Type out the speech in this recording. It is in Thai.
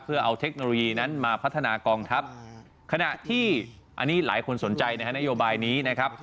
เพื่อเอาเทคโนโลยีนั้นมาพัฒนากองทัพขณะที่อันนี้หลายคนสนใจนะฮะนโยบายนี้นะครับ